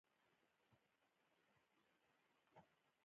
موټروان او ترانسپورت